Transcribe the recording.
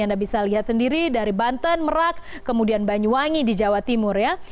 anda bisa lihat sendiri dari banten merak kemudian banyuwangi di jawa timur ya